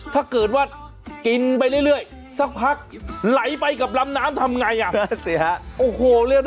ถ้าเกิดว่ากินไปเรื่อยสักพักไหลไปกับลำน้ำทำไง